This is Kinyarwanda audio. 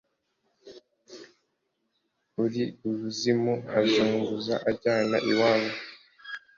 Uri ibuzimu azunguza ajyana iwabo.